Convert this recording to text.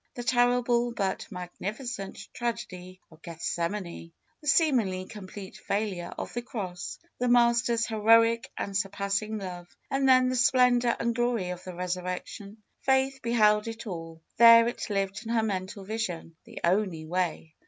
The terrible, but magnificent tragedy of Geth semane ! The seemingly complete failure of the Gross ! The Master's heroic and surpassing love! And then the splendor and glory of the Resurrection ! Faith be held it all. There it lived in her mental vision. The only way!